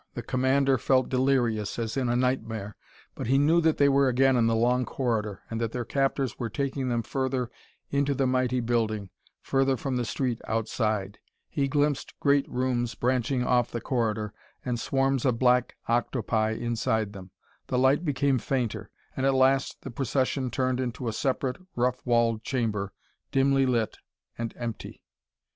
The commander felt delirious, as in a nightmare, but he knew that they were again in the long corridor, and that their captors were taking them further into the mighty building, further from the street outside. He glimpsed great rooms branching off the corridor, and swarms of black octopi inside them. The light became fainter; and at last the procession turned into a separate, rough walled chamber, dimly lit and empty.